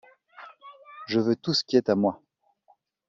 Je veux tout ce qui est à moi.